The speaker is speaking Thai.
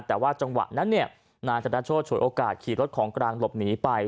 แต่ว่าจังหวะนั้นเนี่ยนายธนโชธฉวยโอกาสขี่รถของกลางหลบหนีไป